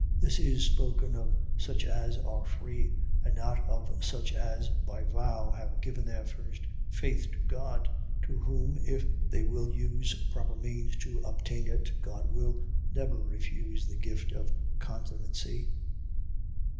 .This is spoken of such as are free, and not of such as, by vow, have given their first faith to God; to whom if they will use proper means to obtain it, God will never refuse the gift of continency.